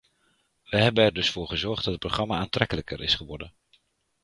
We hebben er dus voor gezorgd dat het programma aantrekkelijker is geworden.